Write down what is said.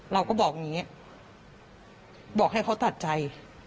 เราก็บอกอย่างนี้บอกให้เขาตัดใจ